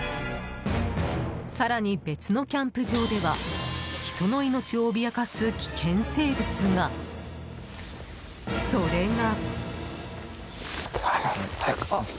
更に、別のキャンプ場では人の命を脅かす危険生物が。それが。